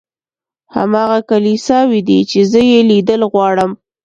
هماغه کلیساوې دي چې زه یې لیدل غواړم.